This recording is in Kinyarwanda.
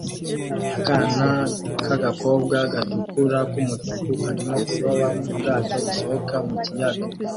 Akana k'agakobwa gatukura k'umutuku karimo kuroba mu bwato busohoka ku kiyaga